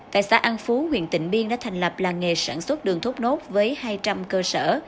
tại xã an phú huyện tịnh biên đã thành lập làng nghề sản xuất đường thốt nốt với hai trăm linh cơ sở